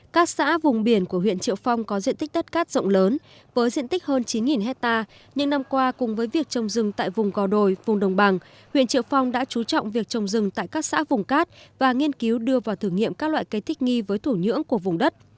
các xã vùng biển của huyện triệu phong có diện tích đất cát rộng lớn với diện tích hơn chín hectare những năm qua cùng với việc trồng rừng tại vùng gò đồi vùng đồng bằng huyện triệu phong đã chú trọng việc trồng rừng tại các xã vùng cát và nghiên cứu đưa vào thử nghiệm các loại cây thích nghi với thổ nhưỡng của vùng đất